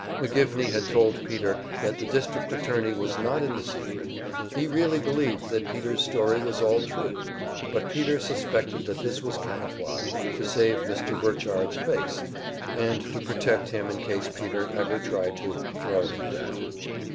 McGivney had told Peter that the district attorney was not in the secret, he really believed that Peter's story was all true; but Peter suspected that this was camouflage, to save Mr. Burchard's face, and to protect him in case Peter ever tried to "throw him down."